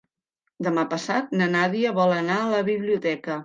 Demà passat na Nàdia vol anar a la biblioteca.